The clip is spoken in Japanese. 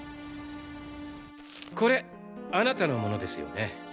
これあなたのものですよね。